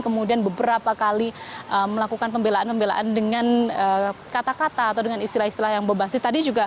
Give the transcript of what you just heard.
kemudian beberapa kali melakukan pembelaan pembelaan dengan kata kata atau dengan istilah istilah yang berbasis tadi juga